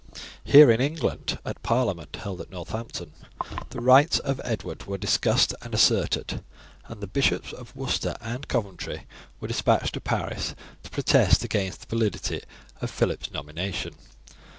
Here in England, at parliament held at Northampton, the rights of Edward were discussed and asserted, and the Bishops of Worcester and Coventry were despatched to Paris to protest against the validity of Phillip's nomination.